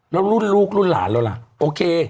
แล้วรุ่นลูกรุ่นหลานเราล่ะโอเค